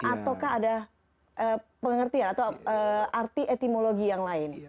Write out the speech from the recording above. ataukah ada pengertian atau arti etimologi yang lain